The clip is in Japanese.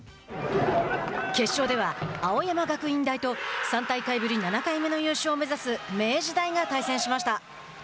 決勝では、青山学院大と３大会ぶり７回目の優勝を目指す明治大が対戦しました。